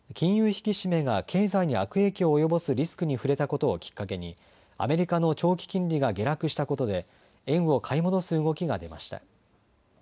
引き締めが経済に悪影響を及ぼすリスクに触れたことをきっかけにアメリカの長期金利が下落したことで円を買い戻す動きが出ました。